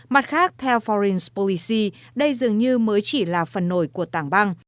mặt khác theo foreign policy đây dường như mới chỉ là phần nổi của tảng băng